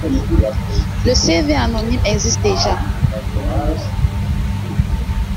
Le CV anonyme existe déjà.